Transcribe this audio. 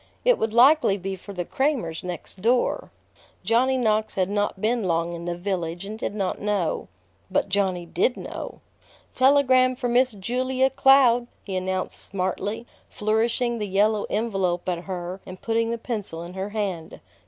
It would likely be for the Cramers next door. Johnny Knox had not been long in the village, and did not know. But Johnny did know. "Telegram for Miss Julia Cloud!" he announced smartly, flourishing the yellow envelope at her and putting the pencil in her hand.